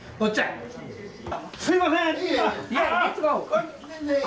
すみません！